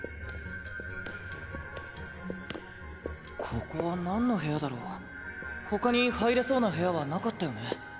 ここはなんの部屋だろう？ほかに入れそうな部屋はなかったよね？